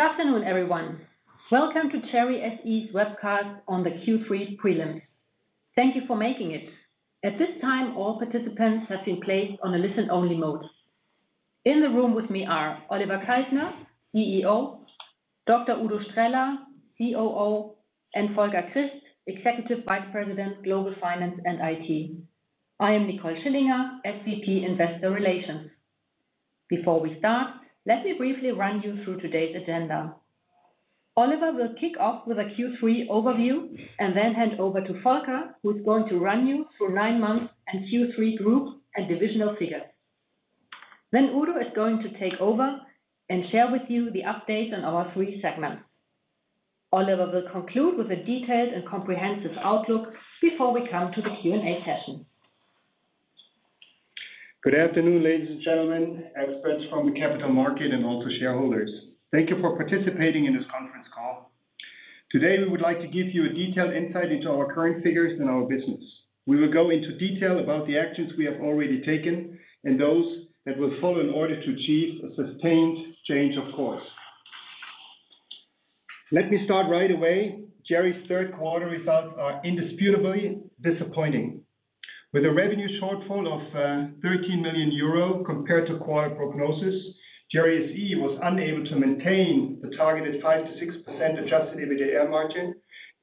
Good afternoon, everyone. Welcome to Cherry SE's webcast on the Q3 prelims. Thank you for making it. At this time, all participants have been placed on a listen-only mode. In the room with me are Oliver Kaltner, CEO, Dr. Udo Streller, COO, and Volker Christ, Executive Vice President Global Finance and IT. I am Nicole Schillinger, SVP, Investor Relations. Before we start, let me briefly run you through today's agenda. Oliver will kick off with a Q3 overview and then hand over to Volker, who's going to run you through nine months and Q3 group and divisional figures. Then Udo is going to take over and share with you the updates on our three segments. Oliver will conclude with a detailed and comprehensive outlook before we come to the Q&A session. Good afternoon, ladies and gentlemen, experts from the capital market and also shareholders. Thank you for participating in this conference call. Today, we would like to give you a detailed insight into our current figures and our business. We will go into detail about the actions we have already taken and those that will follow in order to achieve a sustained change of course. Let me start right away. Cherry's third quarter results are indisputably disappointing. With a revenue shortfall of 13 million euro compared to quarter prognosis, Cherry SE was unable to maintain the targeted 5%-6% adjusted EBITDA margin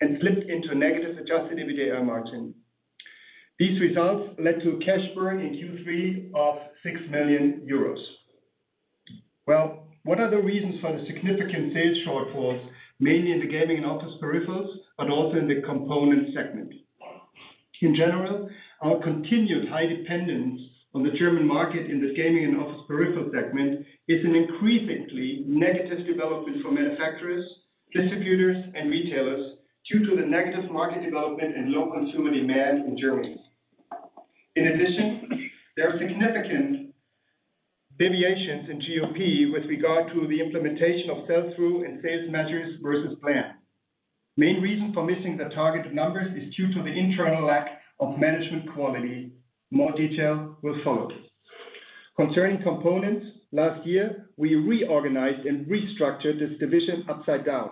and slipped into a negative adjusted EBITDA margin. These results led to a cash burn in Q3 of 6 million euros. What are the reasons for the significant sales shortfalls, mainly in the Gaming and Office Peripherals, but also in the component segment? In general, our continued high dependence on the German market in this Gaming and Office Peripherals segment is an increasingly negative development for manufacturers, distributors, and retailers due to the negative market development and low consumer demand in Germany. In addition, there are significant deviations in GOP with regard to the implementation of sell-through and sales measures versus plan. Main reason for missing the targeted numbers is due to the internal lack of management quality. More detail will follow. Concerning components, last year, we reorganized and restructured this division upside down.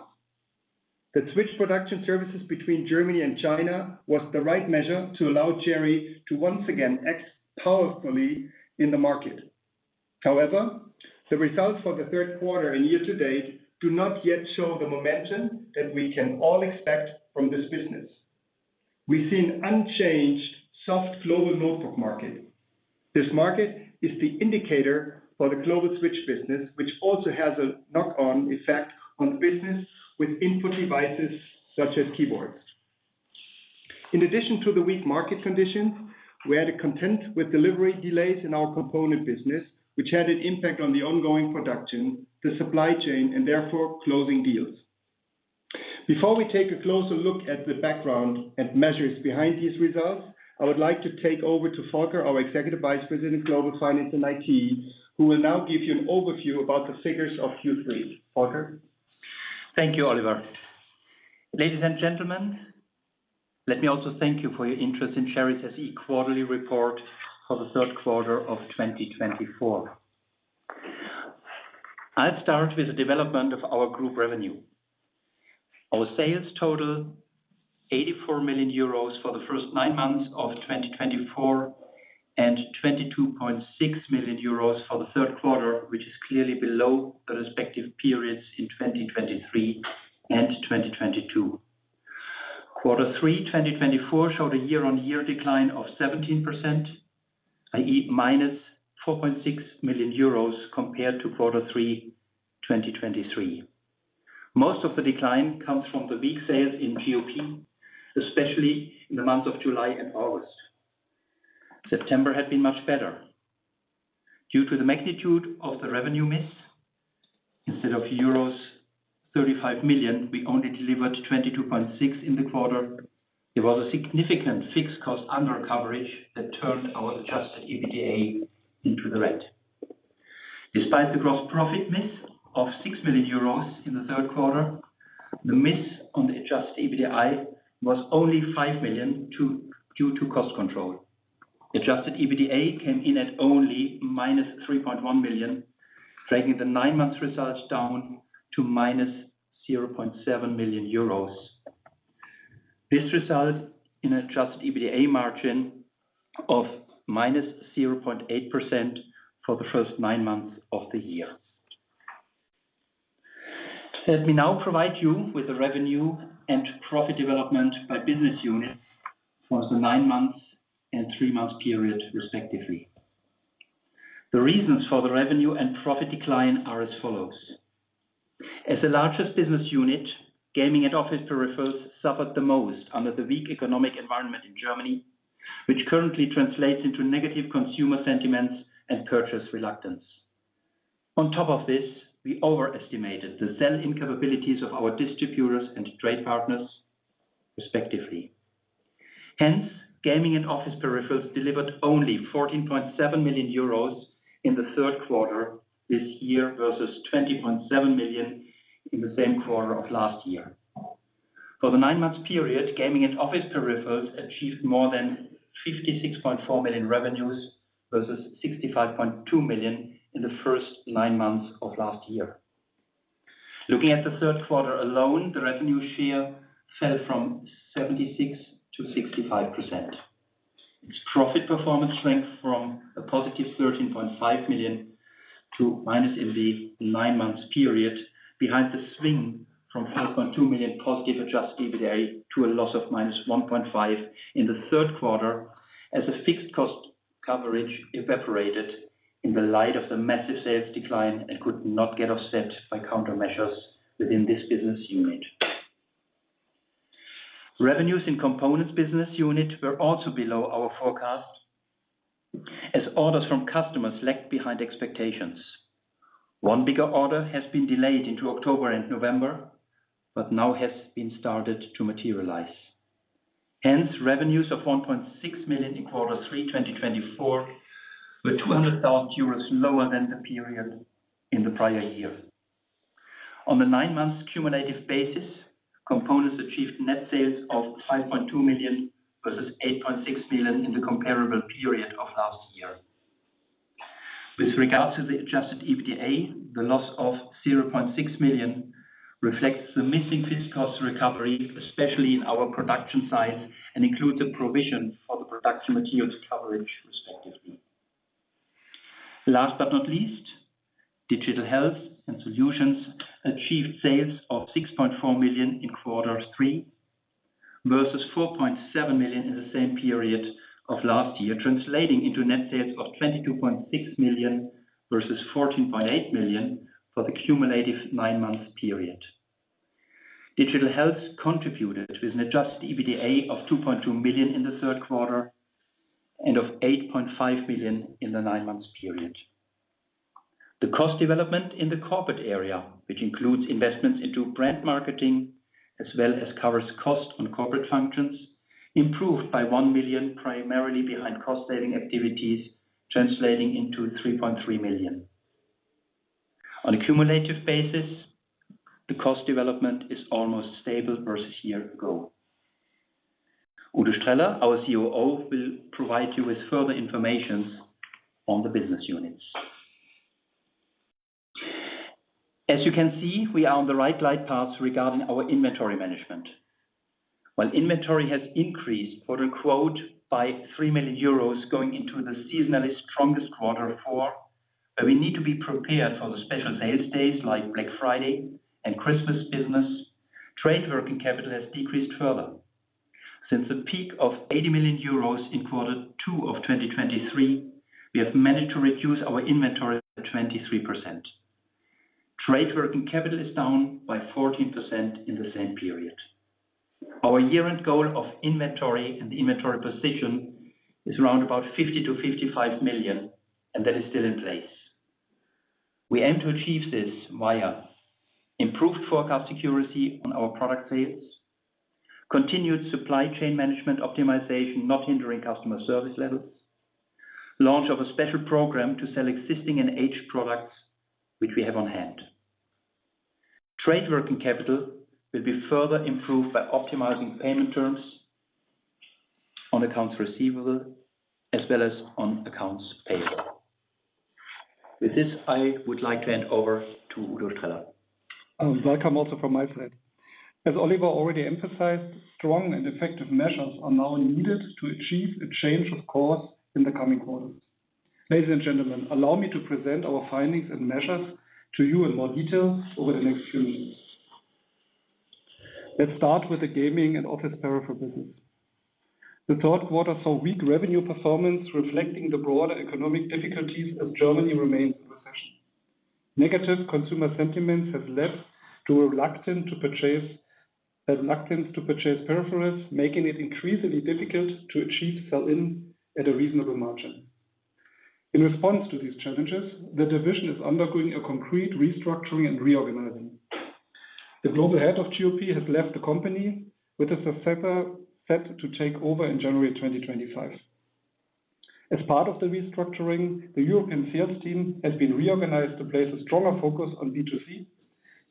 The switch production services between Germany and China was the right measure to allow Cherry to once again act powerfully in the market. However, the results for the third quarter and year to date do not yet show the momentum that we can all expect from this business. We've seen unchanged soft global notebook market. This market is the indicator for the global switch business, which also has a knock-on effect on business with input devices, such as keyboards. In addition to the weak market conditions, we had to contend with delivery delays in our component business, which had an impact on the ongoing production, the supply chain, and therefore, closing deals. Before we take a closer look at the background and measures behind these results, I would like to take over to Volker, our Executive Vice President, Global Finance and IT, who will now give you an overview about the figures of Q3. Volker? Thank you, Oliver. Ladies and gentlemen, let me also thank you for your interest in Cherry SE quarterly report for the third quarter of 2024. I'll start with the development of our group revenue. Our sales total 84 million euros for the first nine months of 2024, and 22.6 million euros for the third quarter, which is clearly below the respective periods in 2023 and 2022. Q3 2024, showed a year-on-year decline of 17%, i.e., -4.6 million euros compared to Q3 2023. Most of the decline comes from the weak sales in GOP, especially in the months of July and August. September had been much better. Due to the magnitude of the revenue miss, instead of euros 35 million, we only delivered 22.6 in the quarter. There was a significant fixed cost undercoverage that turned our adjusted EBITDA into the red. Despite the gross profit miss of 6 million euros in the third quarter, the miss on the adjusted EBITDA was only 5 million due to cost control. Adjusted EBITDA came in at only -3.1 million, dragging the nine-month results down to -0.7 million euros. This resulted in adjusted EBITDA margin of -0.8% for the first nine months of the year. Let me now provide you with the revenue and profit development by business unit for the nine months and three-month period, respectively. The reasons for the revenue and profit decline are as follows: As the largest business unit, Gaming and Office Peripherals suffered the most under the weak economic environment in Germany, which currently translates into negative consumer sentiments and purchase reluctance. On top of this, we overestimated the sell-in capabilities of our distributors and trade partners, respectively. Hence, Gaming and Office Peripherals delivered only 14.7 million euros in the third quarter this year versus 20.7 million in the same quarter of last year. For the nine-month period, Gaming and Office Peripherals achieved more than 56.4 million revenues versus 65.2 million in the first nine months of last year. Looking at the third quarter alone, the revenue share fell from 76% to 65%. Its profit performance strengthened from a positive 13.5 million to minus in the nine-month period, behind the swing from 0.2 million positive adjusted EBITDA to a loss of -1.5 million in the third quarter, as the fixed cost coverage evaporated in the light of the massive sales decline, and could not get offset by countermeasures within this business unit. Revenues in components business unit were also below our forecast, as orders from customers lagged behind expectations. One bigger order has been delayed into October and November but now has started to materialize. Hence, revenues of 1.6 million in Q3 2024, were 200,000 euros lower than the period in the prior year. On the nine-month cumulative basis, components achieved net sales of 5.2 million versus 8.6 million in the comparable period of last year. With regard to the adjusted EBITDA, the loss of 0.6 million reflects the missing fixed cost recovery, especially in our production side, and includes a provision for the production materials coverage, respectively. Last but not least, Digital Health and Solutions achieved sales of 6.4 million in Q3 versus 4.7 million in the same period of last year, translating into net sales of 22.6 million versus 14.8 million for the cumulative nine-month period. Digital Health contributed with an adjusted EBITDA of 2.2 million in the third quarter, and of 8.5 million in the nine-month period. The cost development in the corporate area, which includes investments into brand marketing, as well as covers cost on corporate functions, improved by 1 million, primarily behind cost-saving activities, translating into 3.3 million. On a cumulative basis, the cost development is almost stable versus a year ago. Udo Streller, our COO, will provide you with further information on the business units. As you can see, we are on the right light paths regarding our inventory management. While inventory has increased, quote-unquote, "by 3 million euros" going into the seasonally strongest Q4 but we need to be prepared for the special sales days like Black Friday and Christmas business. Trade working capital has decreased further. Since the peak of 80 million euros in Q2 2023, we have managed to reduce our inventory by 23%. Trade working capital is down by 14% in the same period. Our year-end goal of inventory and inventory position is around 50-55 million, and that is still in place. We aim to achieve this via improved forecast accuracy on our product sales, continued supply chain management optimization, not hindering customer service levels, launch of a special program to sell existing and aged products, which we have on hand. Trade Working Capital will be further improved by optimizing payment terms on accounts receivable, as well as on accounts payable. With this, I would like to hand over to Udo Streller. Welcome, also, from my side. As Oliver already emphasized, strong and effective measures are now needed to achieve a change of course in the coming quarters. Ladies and gentlemen, allow me to present our findings and measures to you in more detail over the next few minutes. Let's start with the Gaming and Office Peripheral business. The third quarter saw weak revenue performance, reflecting the broader economic difficulties as Germany remains in recession. Negative consumer sentiments have led to a reluctance to purchase peripherals, making it increasingly difficult to achieve sell-in at a reasonable margin. In response to these challenges, the division is undergoing a concrete restructuring and reorganization. The global head of GOP has left the company, with a successor set to take over in January 2025. As part of the restructuring, the European sales team has been reorganized to place a stronger focus on B2C,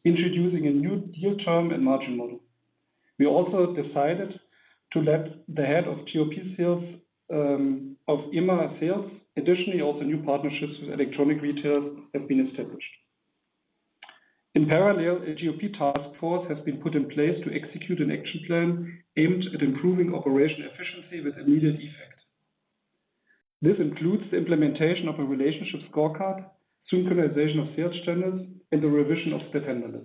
introducing a new deal term and margin model. We also decided to let the head of GOP sales of EMEA sales. Additionally, also, new partnerships with electronic retailers have been established. In parallel, a GOP task force has been put in place to execute an action plan aimed at improving operational efficiency with immediate effect. This includes the implementation of a relationship scorecard, synchronization of sales channels, and the revision of Sale Cherry system.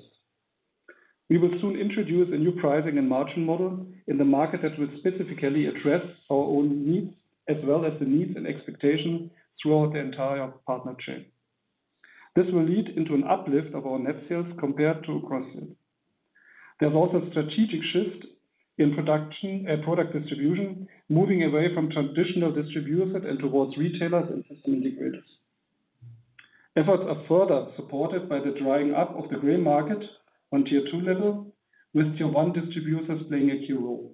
We will soon introduce a new pricing and margin model in the market that will specifically address our own needs, as well as the needs and expectations throughout the entire partner chain. This will lead into an uplift of our net sales compared to cross sell. There's also a strategic shift in production, product distribution, moving away from traditional distributors and towards retailers and system integrators. Efforts are further supported by the drying up of the gray market on tier two level, with tier one distributors playing a key role.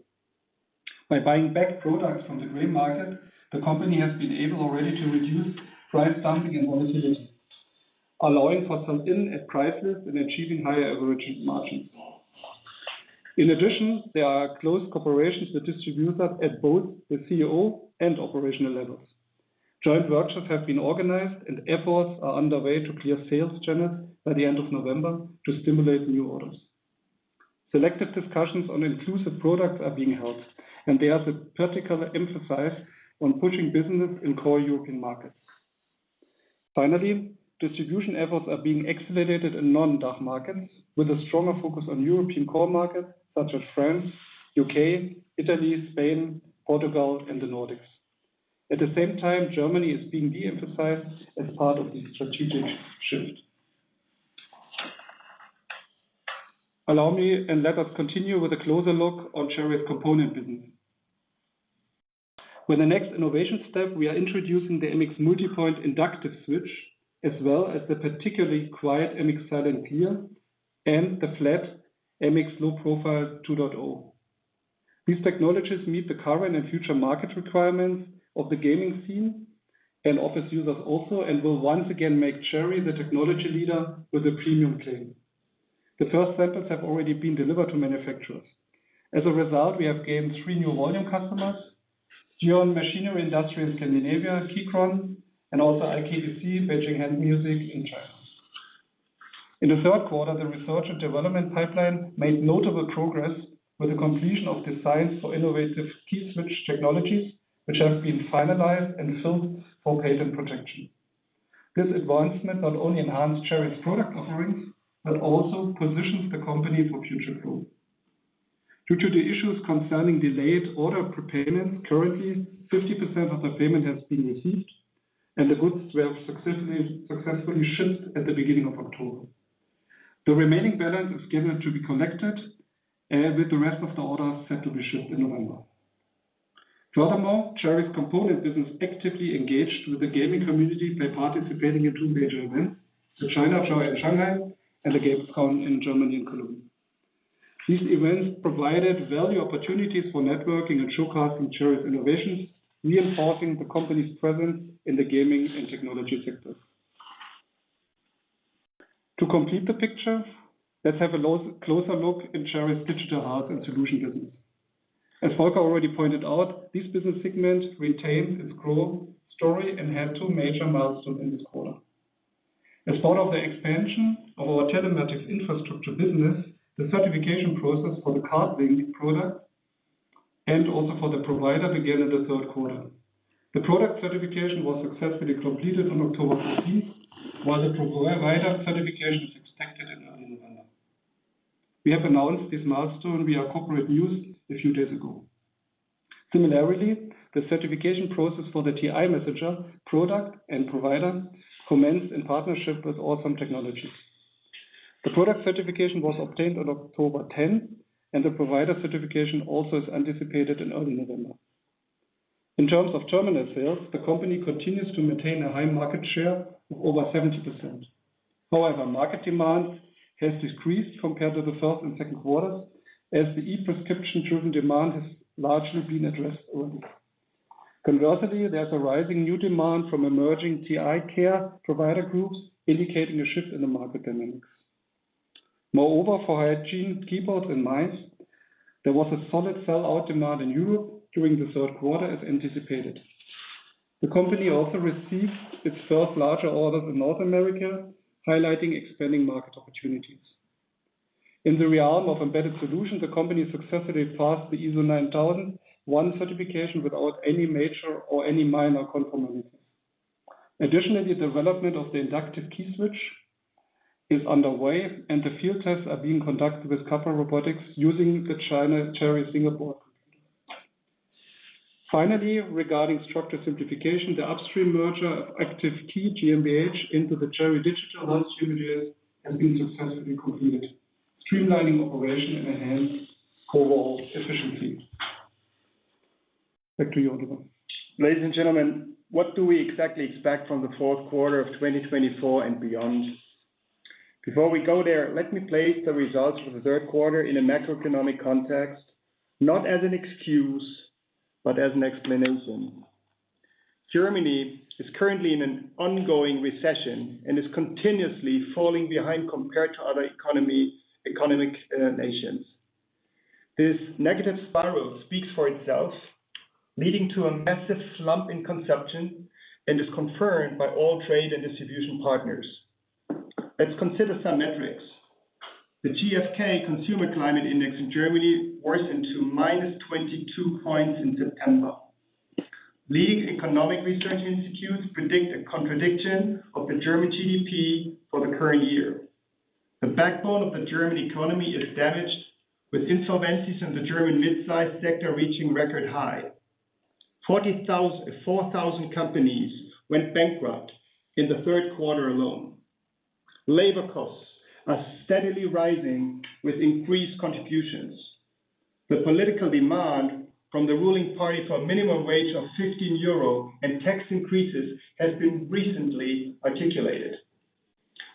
By buying back products from the gray market, the company has been able already to reduce price dumping and volatility, allowing for some stability in net prices and achieving higher average margins. In addition, there are close cooperation with distributors at both the CEO and operational levels. Joint workshops have been organized, and efforts are underway to clear sales channels by the end of November to stimulate new orders. Selective discussions on inclusive products are being held, and there's a particular emphasis on pushing business in core European markets. Finally, distribution efforts are being accelerated in non-DACH markets, with a stronger focus on European core markets such as France, UK, Italy, Spain, Portugal, and the Nordics. At the same time, Germany is being de-emphasized as part of the strategic shift. Allow me, and let us continue with a closer look on Cherry's component business. With the next innovation step, we are introducing the MX Multipoint inductive switch, as well as the particularly quiet MX Silent Clear and the flat MX Low Profile 2.0. These technologies meet the current and future market requirements of the gaming scene and office users also, and will once again make Cherry the technology leader with a premium claim. The first samples have already been delivered to manufacturers. As a result, we have gained three new volume customers: Geon Machinery Industry in Scandinavia, Keychron, and also IKBC Beijing Hand Music in China. In the third quarter, the research and development pipeline made notable progress with the completion of designs for innovative key switch technologies, which have been finalized and filed for patent protection. This advancement not only enhanced Cherry's product offerings, but also positions the company for future growth. Due to the issues concerning delayed order prepayment, currently, 50% of the payment has been received, and the goods were successfully shipped at the beginning of October. The remaining balance is scheduled to be collected, and with the rest of the orders set to be shipped in November. Furthermore, Cherry's component business actively engaged with the gaming community by participating in two major events: the ChinaJoy in Shanghai and the Gamescom in Germany, in Cologne. These events provided value opportunities for networking and showcasing Cherry's innovations, reinforcing the company's presence in the gaming and technology sectors. To complete the picture, let's have a closer look in Cherry's Digital Health and Solutions business. As Volker already pointed out, this business segment retains its growth story and had two major milestones in this quarter. As part of the expansion of our telematics infrastructure business, the certification process for the card-linked product and also for the provider began in the third quarter. The product certification was successfully completed on October 15th, while the provider certification is expected in early November. We have announced this milestone via corporate news a few days ago. Similarly, the certification process for the TI-Messenger product and provider commenced in partnership with Awesome Technologies. The product certification was obtained on October tenth, and the provider certification also is anticipated in early November. In terms of terminal sales, the company continues to maintain a high market share of over 70%. However, market demand has decreased compared to the first and second quarters, as the e-prescription-driven demand has largely been addressed early. Conversely, there's a rising new demand from emerging TI care provider groups, indicating a shift in the market dynamics. Moreover, for hygiene keyboards in mind, there was a solid sell-out demand in Europe during the third quarter as anticipated. The company also received its first larger order from North America, highlighting expanding market opportunities. In the realm of embedded solutions, the company successfully passed the ISO 9001 certification without any major or any minor compromises. Additionally, the development of the inductive key switch is underway, and the field tests are being conducted with KUKA robotics using the Cherry Singapore. Finally, regarding structure simplification, the upstream merger of Active Key GmbH into the Cherry Digital Health Solutions has been successfully completed, streamlining operation and enhanced overall efficiency. Back to you, Oliver. Ladies and gentlemen, what do we exactly expect from the fourth quarter of 2024 and beyond? Before we go there, let me place the results for the third quarter in a macroeconomic context, not as an excuse, but as an explanation. Germany is currently in an ongoing recession and is continuously falling behind compared to other economic nations. This negative spiral speaks for itself, leading to a massive slump in consumption and is confirmed by all trade and distribution partners. Let's consider some metrics. The GfK Consumer Climate Index in Germany worsened to -22 points in September. Leading economic research institutes predict a contraction of the German GDP for the current year. The backbone of the German economy is damaged, with insolvencies in the German mid-sized sector reaching record high. 4,000 companies went bankrupt in the third quarter alone. Labor costs are steadily rising with increased contributions. The political demand from the ruling party for a minimum wage of 15 euro and tax increases has been recently articulated.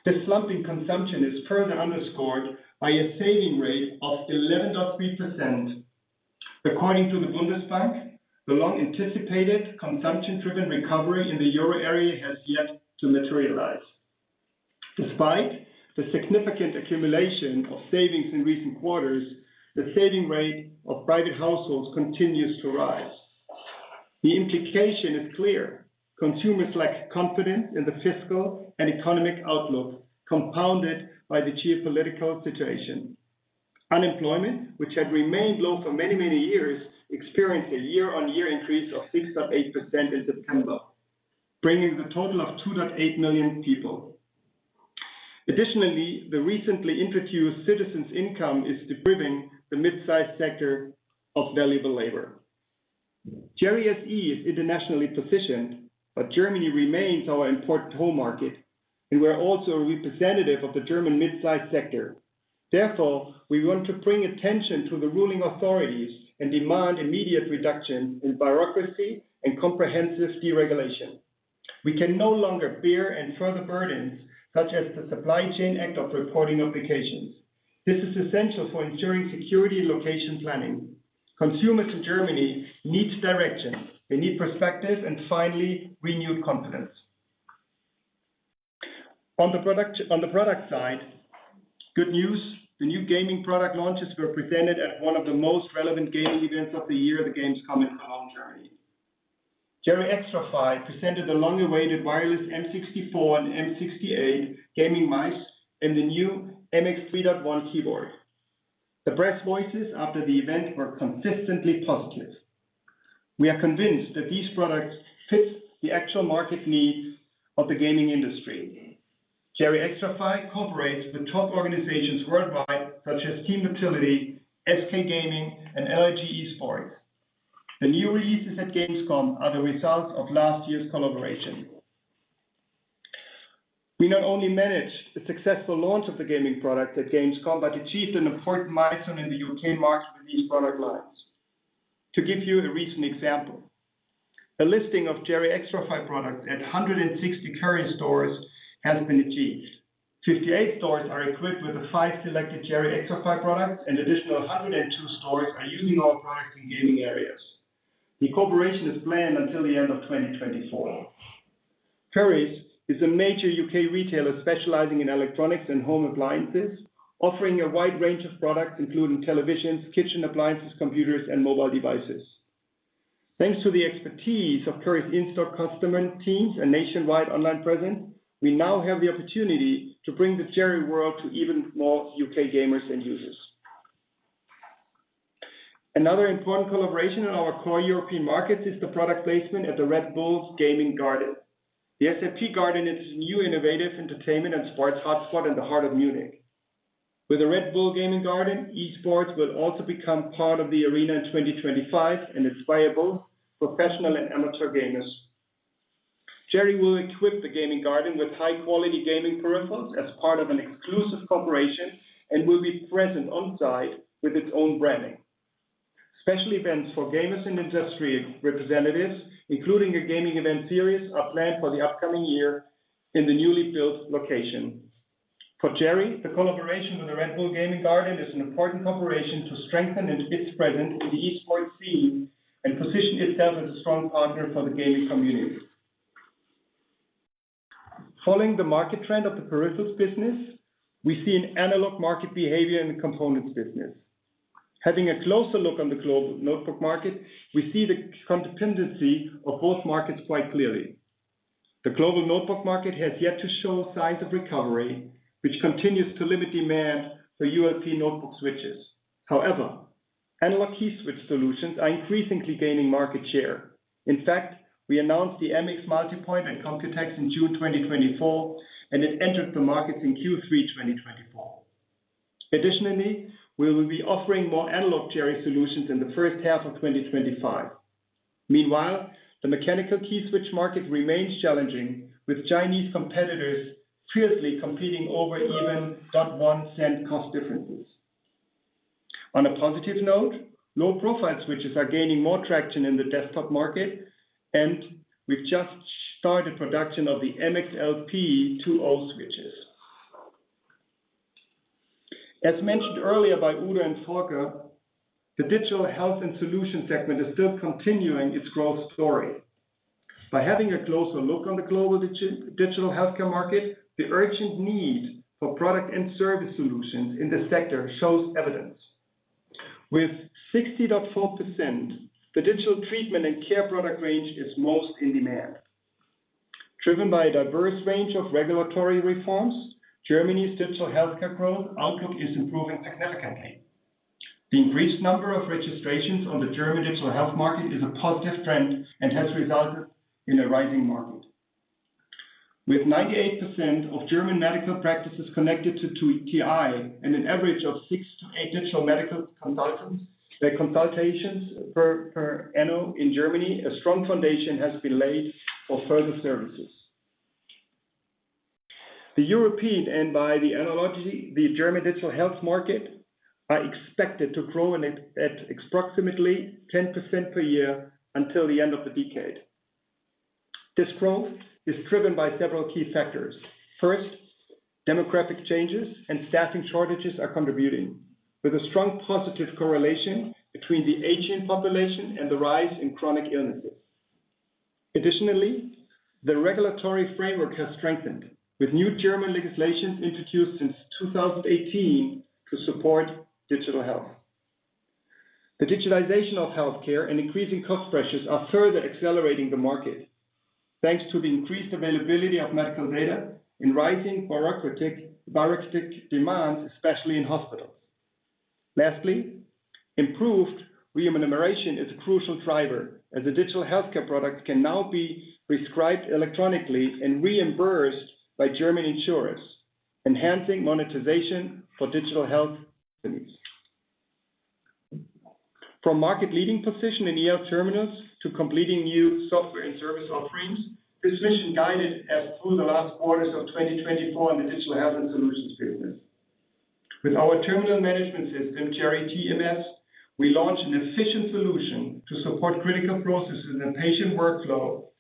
The slumping consumption is further underscored by a saving rate of 11.3%. According to the Bundesbank, the long-anticipated consumption-driven recovery in the Euro area has yet to materialize. Despite the significant accumulation of savings in recent quarters, the saving rate of private households continues to rise. The implication is clear: consumers lack confidence in the fiscal and economic outlook, compounded by the geopolitical situation. Unemployment, which had remained low for many, many years, experienced a year-on-year increase of 6.8% in September, bringing the total of 2.8 million people. Additionally, the recently introduced citizens income is depriving the mid-size sector of valuable labor. Cherry SE is internationally positioned, but Germany remains our important home market, and we're also a representative of the German mid-size sector. Therefore, we want to bring attention to the ruling authorities and demand immediate reduction in bureaucracy and comprehensive deregulation. We can no longer bear any further burdens, such as the Supply Chain Act of Reporting obligations. This is essential for ensuring security and location planning. Consumers in Germany needs direction, they need perspective, and finally, renewed confidence. On the product, on the product side, good news, the new gaming product launches were presented at one of the most relevant gaming events of the year, Gamescom Cherry. Cherry XTRFY presented the long-awaited Wireless M64 and M68 gaming mice and the new MX 3.1 keyboard. The press voices after the event were consistently positive. We are convinced that these products fit the actual market needs of the gaming industry. Cherry XTRFY cooperates with top organizations worldwide, such as Team Vitality, SK Gaming, and NiP Esports. The new releases at Gamescom are the results of last year's collaboration. We not only managed the successful launch of the gaming product at Gamescom but achieved an important milestone in the UK market with these product lines. To give you a recent example, a listing of Cherry XTRFY product at 160 Currys stores has been achieved. 58 stores are equipped with the five selected Cherry XTRFY products, and additional 102 stores are using our products in gaming areas. The cooperation is planned until the end of 2024. Currys is a major UK retailer specializing in electronics and home appliances, offering a wide range of products, including televisions, kitchen appliances, computers, and mobile devices. Thanks to the expertise of Currys in-store customer teams and nationwide online presence, we now have the opportunity to bring the Cherry world to even more UK gamers and users. Another important collaboration in our core European markets is the product placement at the Red Bull Gaming Garden. The SAP Garden is a new, innovative entertainment and sports hotspot in the heart of Munich. With the Red Bull Gaming Garden, Esports will also become part of the arena in 2025, and it's viable for professional and amateur gamers. Cherry will equip the gaming garden with high-quality gaming peripherals as part of an exclusive cooperation and will be present on-site with its own branding. Special events for gamers and industry representatives, including a gaming event series, are planned for the upcoming year in the newly built location. For Cherry, the collaboration with the Red Bull Gaming Garden is an important cooperation to strengthen its presence in the esports scene and position itself as a strong partner for the gaming community. Following the market trend of the peripherals business, we see an analogous market behavior in the components business. Having a closer look on the global notebook market, we see the dependency of both markets quite clearly. The global notebook market has yet to show signs of recovery, which continues to limit demand for optical notebook switches. However, analog key switch solutions are increasingly gaining market share. In fact, we announced the MX Multipoint at Computex in June 2024, and it entered the markets in Q3 2024. Additionally, we will be offering more analog Cherry solutions in the first half of 2025. Meanwhile, the mechanical key switch market remains challenging, with Chinese competitors fiercely competing over even 0.1 cent cost differences. On a positive note, low-profile switches are gaining more traction in the desktop market, and we've just started production of the MXLP 2.0 switches. As mentioned earlier by Udo and Volker, the Digital Health and Solutions segment is still continuing its growth story. By having a closer look on the global digital healthcare market, the urgent need for product and service solutions in this sector shows evidence. With 60.4%, the digital treatment and care product range is most in demand. Driven by a diverse range of regulatory reforms, Germany's digital healthcare growth outlook is improving significantly. The increased number of registrations on the German digital health market is a positive trend and has resulted in a rising market. With 98% of German medical practices connected to TI and an average of six to eight digital medical consultants, the consultations per annum in Germany, a strong foundation has been laid for further services. The European and by analogy, the German digital health market are expected to grow in it at approximately 10% per year until the end of the decade. This growth is driven by several key factors. First, demographic changes and staffing shortages are contributing, with a strong positive correlation between the aging population and the rise in chronic illnesses. Additionally, the regulatory framework has strengthened, with new German legislation introduced since two thousand and eighteen to support Digital Health. The digitalization of healthcare and increasing cost pressures are further accelerating the market, thanks to the increased availability of medical data and rising bureaucratic demands, especially in hospitals. Lastly, improved remuneration is a crucial driver, as the digital healthcare product can now be prescribed electronically and reimbursed by German insurers, enhancing monetization for digital health companies. From market leading position in ER terminals to completing new software and service offerings, this mission guided us through the last quarters of 2024 in the Digital Health and Solutions business. With our terminal management system, Cherry TMS, we launched an efficient solution to support critical processes and patient workflow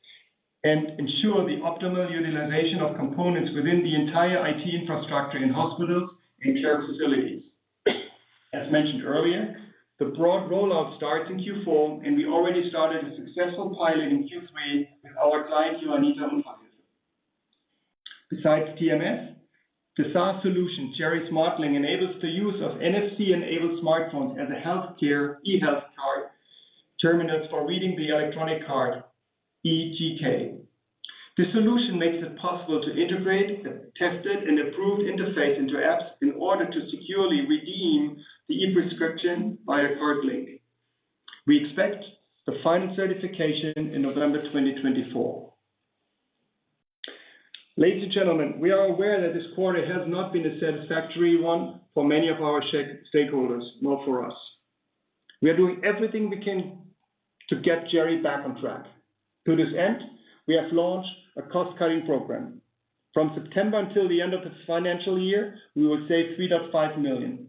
and ensure the optimal utilization of components within the entire IT infrastructure in hospitals and care facilities. As mentioned earlier, the broad rollout starts in Q4, and we already started a successful pilot in Q3 with our client, Johanniter-Unfall-Hilfe. Besides TMS, the SaaS solution, Cherry SmartLink, enables the use of NFC-enabled smartphones as a healthcare e-health card terminals for reading the electronic card, eGK. The solution makes it possible to integrate the tested and approved interface into apps in order to securely redeem the e-prescription by a card link. We expect the final certification in November 2024. Ladies and gentlemen, we are aware that this quarter has not been a satisfactory one for many of our stakeholders, nor for us. We are doing everything we can to get Cherry back on track. To this end, we have launched a cost-cutting program. From September until the end of the financial year, we will save 3.5 million.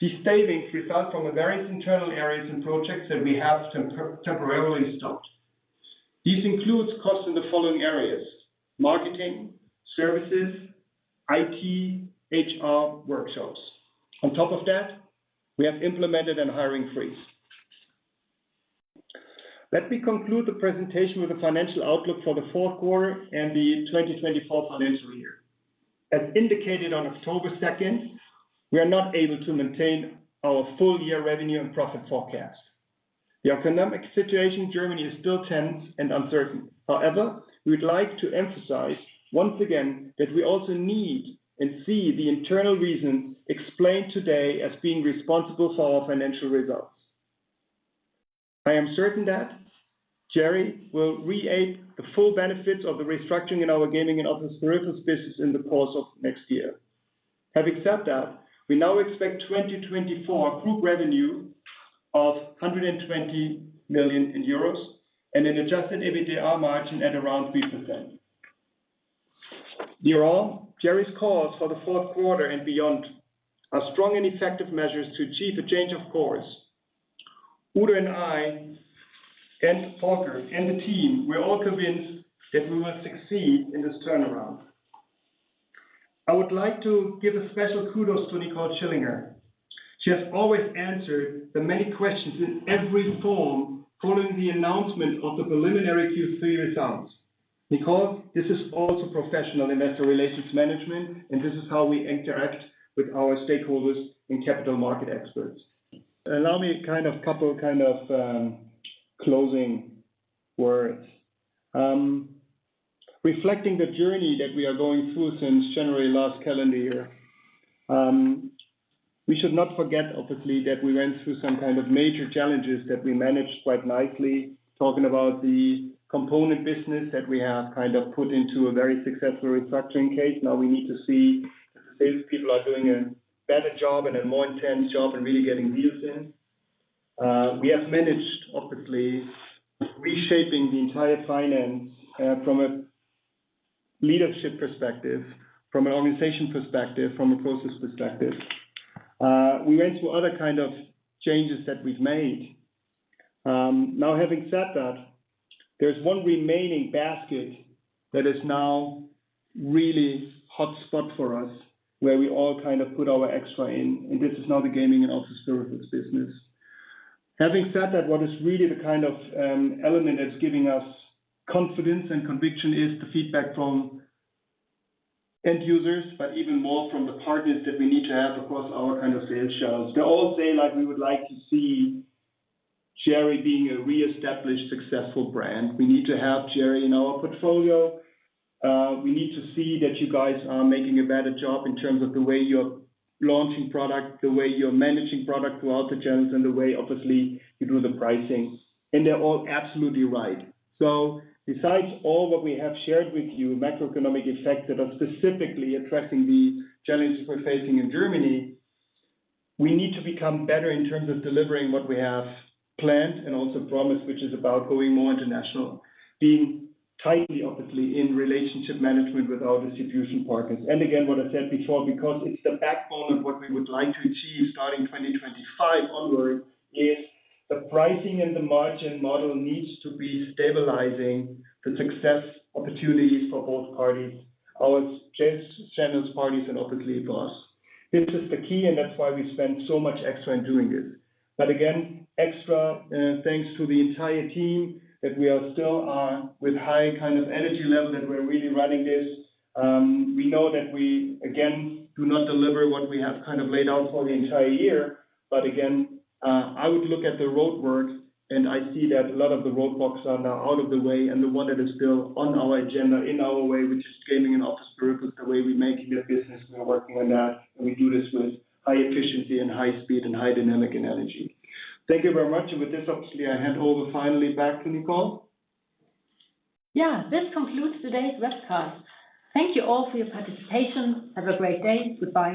These savings result from the various internal areas and projects that we have temporarily stopped. This includes costs in the following areas: marketing, services, IT, HR, workshops. On top of that, we have implemented a hiring freeze. Let me conclude the presentation with the financial outlook for the fourth quarter and the 2024 financial year. As indicated on October 2, we are not able to maintain our full-year revenue and profit forecast. The economic situation in Germany is still tense and uncertain. However, we'd like to emphasize once again, that we also need and see the internal reasons explained today as being responsible for our financial results. I am certain that Cherry will reap the full benefits of the restructuring in our Gaming and Office Peripherals business in the course of next year. Having said that, we now expect 2024 group revenue of 120 million euros, and an adjusted EBITDA margin at around 3%. They are all our calls for the fourth quarter and beyond are strong and effective measures to achieve a change of course. Udo and I, and Volker and the team, we are all convinced that we will succeed in this turnaround. I would like to give a special kudos to Nicole Schillinger. She has always answered the many questions in every forum following the announcement of the preliminary Q3 results. Nicole, this is also professional investor relations management, and this is how we interact with our stakeholders and capital market experts. Allow me a couple of closing words. Reflecting the journey that we are going through since January last calendar year, we should not forget, obviously, that we went through some kind of major challenges that we managed quite nicely, talking about the component business that we have kind of put into a very successful restructuring case. Now we need to see if the salespeople are doing a better job and a more intense job in really getting deals in. We have managed, obviously, reshaping the entire finance, from a leadership perspective, from an organization perspective, from a process perspective. We went through other kind of changes that we've made. Now, having said that, there's one remaining basket that is now really hotspot for us, where we all kind of put our extra in, and this is now the Gaming and Office Peripherals business. Having said that, what is really the kind of, element that's giving us confidence and conviction is the feedback from end users, but even more from the partners that we need to have across our kind of sales channels. They all say, like, "We would like to see Cherry being a reestablished, successful brand. We need to have Cherry in our portfolio. We need to see that you guys are making a better job in terms of the way you're launching products, the way you're managing product through all the channels, and the way, obviously, you do the pricing." And they're all absolutely right. So, besides all what we have shared with you, macroeconomic effects that are specifically addressing the challenges we're facing in Germany. We need to become better in terms of delivering what we have planned and also promised, which is about going more international, being tightly, obviously, in relationship management with our distribution partners. And again, what I said before, because it's the backbone of what we would like to achieve starting 2025 onward, is the pricing and the margin model needs to be stabilizing the success opportunities for both parties, our channel's parties, and obviously us. This is the key, and that's why we spend so much extra in doing it. But again, extra thanks to the entire team, that we are still with high kind of energy level, that we're really running this. We know that we, again, do not deliver what we have kind of laid out for the entire year. But again, I would look at the roadwork, and I see that a lot of the roadblocks are now out of the way, and the one that is still on our agenda, in our way, which is Gaming and Office Peripherals, the way we're making a business, we are working on that, and we do this with high efficiency and high speed and high dynamic and energy. Thank you very much. And with this, obviously, I hand over finally back to Nicole. Yeah, this concludes today's webcast. Thank you all for your participation. Have a great day. Goodbye.